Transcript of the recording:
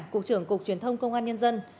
cục trưởng cục truyền thông công an nhân dân